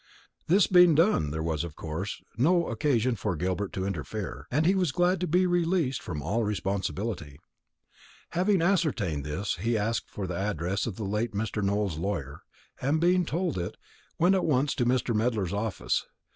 This being done, there was, of course, no occasion for Gilbert to interfere, and he was glad to be released from all responsibility. Having ascertained this, he asked for the address of the late Mr. Nowell's lawyer; and being told it, went at once to Mr. Medler's office.